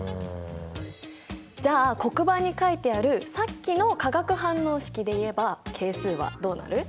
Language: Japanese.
じゃあ黒板に書いてあるさっきの化学反応式で言えば係数はどうなる？